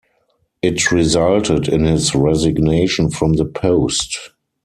It resulted in his resignation from the post.